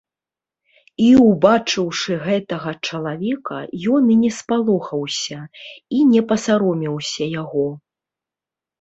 І, убачыўшы гэтага чалавека, ён і не спалохаўся, і не пасаромеўся яго.